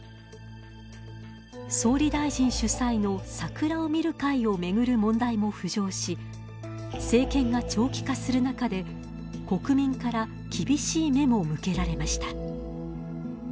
総理大臣主催の桜を見る会を巡る問題も浮上し政権が長期化する中で、国民から厳しい目も向けられました。